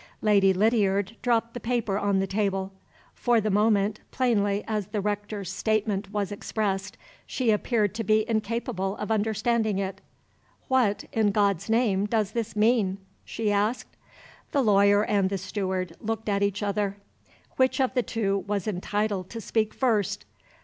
Lady Lydiard dropped the paper on the table. For the moment, plainly as the Rector's statement was expressed, she appeared to be incapable of understanding it. "What, in God's name, does this mean?" she asked. The lawyer and the steward looked at each other. Which of the two was entitled to speak first?